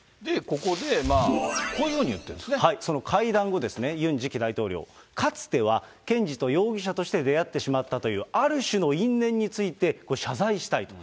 ここで、その会談後、ユン次期大統領、かつては検事と容疑者として出会ってしまったという、ある種の因縁について、謝罪したいと。